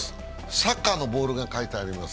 サッカーのボールが書いてあります。